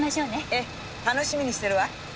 ええ楽しみにしてるわ。